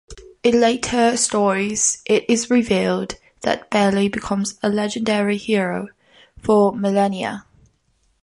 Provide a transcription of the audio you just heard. In later stories, it is revealed that Baley becomes a legendary hero for millennia.